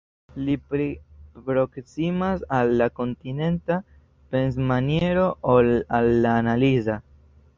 Li pli proksimas al la kontinenta pensmaniero ol al la analiza.